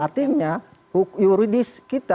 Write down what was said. artinya hukum yuridis kita